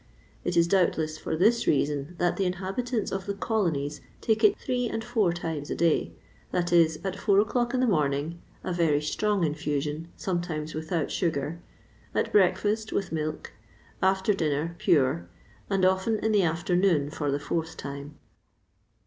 It is doubtless for this reason that the inhabitants of the colonies take it three and four times a day that is, at four o'clock in the morning, a very strong infusion, sometimes without sugar; at breakfast, with milk; after dinner, pure; and often in the afternoon, for the fourth time."